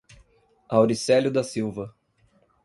Auricelio da Silva